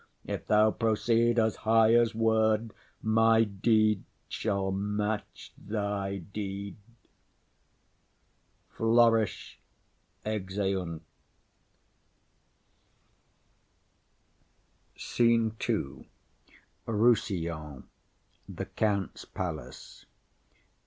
If thou proceed As high as word, my deed shall match thy deed. [Flourish. Exeunt.] SCENE II. Rossillon. A room in the Countess's palace.